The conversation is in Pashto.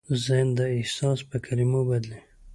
ذهن دا احساس په کلمو بدلوي.